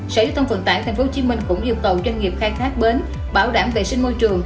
sở giao thông vận tải tp hcm cũng yêu cầu doanh nghiệp khai thác bến bảo đảm vệ sinh môi trường